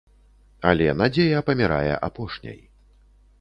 Але надзея памірае апошняй.